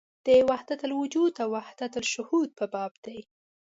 د وحدت الوجود او وحدت الشهود په باب ده.